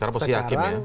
karena posisi hakim ya